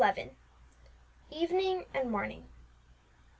EVENING AND MORNING.